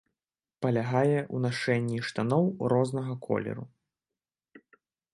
Палягае ў нашэнні штаноў рознага колеру.